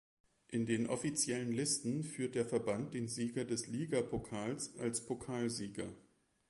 In den offiziellen Listen führt der Verband den Sieger des Ligapokals als Pokalsieger.